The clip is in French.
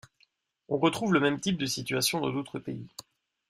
On retrouve le même type de situation dans d'autres pays.